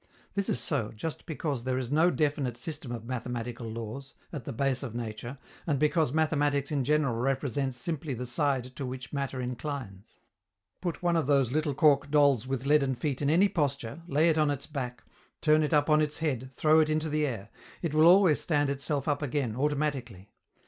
This is so, just because there is no definite system of mathematical laws, at the base of nature, and because mathematics in general represents simply the side to which matter inclines. Put one of those little cork dolls with leaden feet in any posture, lay it on its back, turn it up on its head, throw it into the air: it will always stand itself up again, automatically.